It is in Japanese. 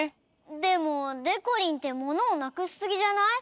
でもでこりんってものをなくしすぎじゃない？